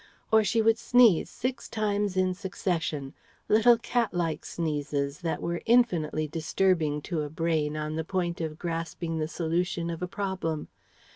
Or she would sneeze six times in succession little cat like sneezes that were infinitely disturbing to a brain on the point of grasping the solution of a problem.